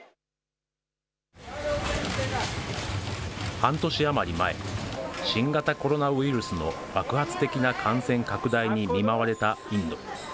半年余り前、新型コロナウイルスの爆発的な感染拡大に見舞われたインド。